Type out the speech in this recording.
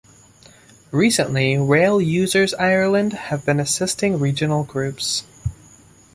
Recently Rail Users Ireland have been assisting regional groups.